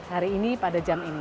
hari ini pada jam ini